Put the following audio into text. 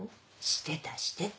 してたしてた。